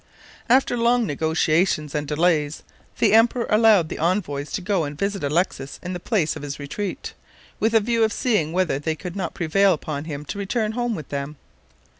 After long negotiations and delays, the emperor allowed the envoys to go and visit Alexis in the place of his retreat, with a view of seeing whether they could not prevail upon him to return home with them.